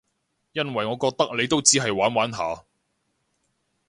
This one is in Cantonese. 因為我覺得你都只係玩玩下